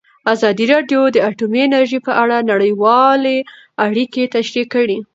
ازادي راډیو د اټومي انرژي په اړه نړیوالې اړیکې تشریح کړي.